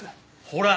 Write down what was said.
ほら！